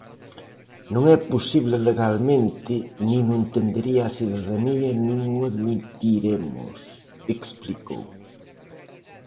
"Non é posible legalmente nin o entendería a cidadanía nin o admitiremos", explicou.